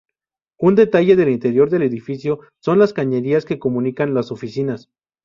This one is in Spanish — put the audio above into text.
Un detalle del interior del edificio son la cañerías que comunican las oficinas.